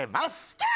キャー！